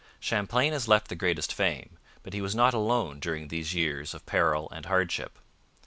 Champlain has left the greatest fame, but he was not alone during these years of peril and hardship.